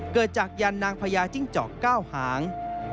เกิดจากยันนางพญาจิ้งจอก๙หาง